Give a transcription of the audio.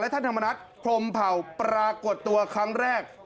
ท่านธรรมนัฐพรมเผ่าปรากฏตัวครั้งแรก